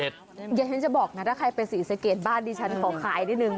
เดี๋ยวฉันจะบอกนะถ้าใครไปศรีสะเกดบ้านดิฉันขอขายนิดนึง